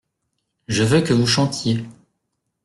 Je veux que vous chantiez.